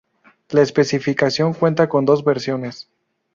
La especificación cuenta con dos versiones